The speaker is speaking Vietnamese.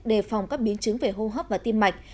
đề phòng các biến chứng về hô hấp và tim mạch